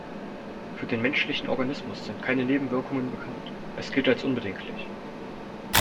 Für den menschlichen Organismus sind keine Nebenwirkungen bekannt, es gilt als unbedenklich.